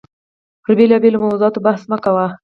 پر بېلابېلو موضوعاتو بحث مو کاوه.